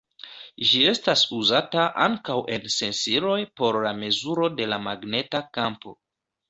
Ĝi estas uzata ankaŭ en sensiloj por la mezuro de la magneta kampo.